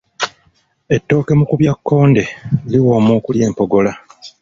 Ettooke Mukubyakkonde liwooma okulya empogola.